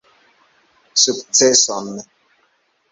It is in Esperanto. Sukceson